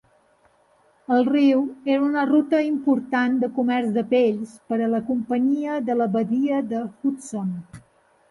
El riu era una ruta important de comerç de pells per a la Companyia de la Badia de Hudson.